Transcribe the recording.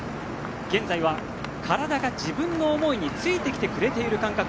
現在は体が自分の思いについてきてくれている感覚。